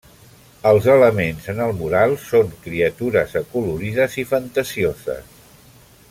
Els elements en el mural són criatures acolorides i fantasioses.